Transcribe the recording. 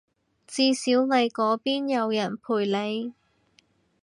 至少你嗰邊有人陪你